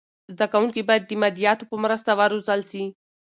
زده کونکي باید د مادیاتو په مرسته و روزل سي.